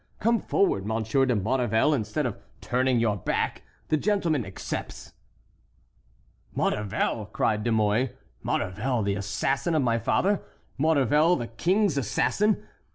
come forward, Monsieur de Maurevel, instead of turning your back. The gentleman accepts." "Maurevel!" cried De Mouy; "Maurevel, the assassin of my father! Maurevel, the king's assassin!